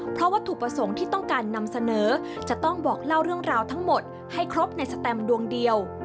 เพราะวัตถุประสงค์ที่ต้องการนำเสนอจะต้องบอกเล่าเรื่องราวทั้งหมดให้ครบในสแตมดวงเดียว